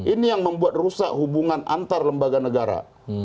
ini yang membuat rusak hubungan antar lembaga negara